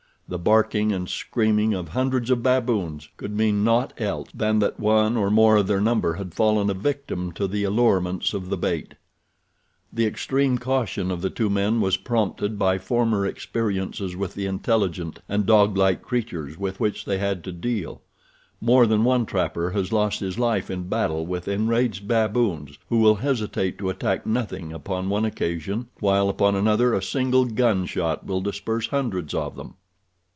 The barking and screaming of hundreds of baboons could mean naught else than that one or more of their number had fallen a victim to the allurements of the bait. The extreme caution of the two men was prompted by former experiences with the intelligent and doglike creatures with which they had to deal. More than one trapper has lost his life in battle with enraged baboons who will hesitate to attack nothing upon one occasion, while upon another a single gun shot will disperse hundreds of them.